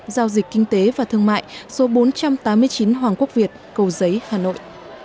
giao dịch kinh tế và thương mại số bốn trăm tám mươi chín hoàng quốc việt cầu giấy hà nội